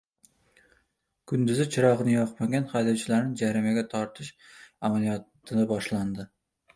Kunduzi chirog‘ini yoqmagan haydovchilarni jarimaga tortish amaliyoti boshlandi